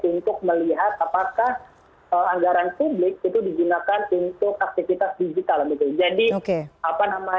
untuk melihat apakah anggaran publik itu digunakan untuk aktivitas digital